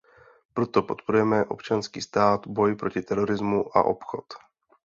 Proto podporujeme občanský stát, boj proti terorismu a obchod.